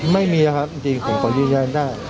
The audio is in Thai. ไม่มีนะครับจริงผมขอยืนยันได้